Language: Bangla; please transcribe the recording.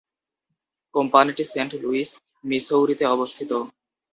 কোম্পানিটি সেন্ট লুইস, মিসৌরিতে অবস্থিত।